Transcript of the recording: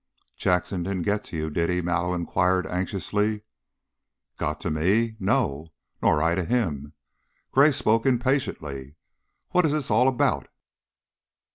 "Jackson didn't get to you, did he?" Mallow inquired, anxiously. "Get to me? No. Nor I to him." Gray spoke impatiently. "What is this all about?"